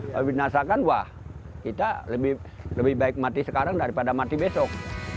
kalau dinasakan wah kita lebih baik mati sekarang daripada mati besok